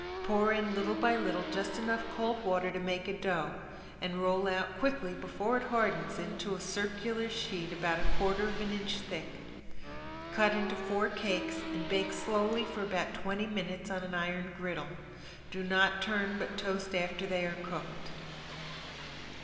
Pour in little by little just enough cold water to make a dough and roll out quickly before it hardens into a circular sheet about a quarter of an inch thick. Cut into four cakes and bake slowly for about twenty minutes on an iron griddle. Do not turn but toast after they are cooked.